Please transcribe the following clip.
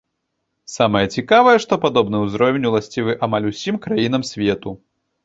Самае цікавае, што падобны ўзровень уласцівы амаль усім краінам свету.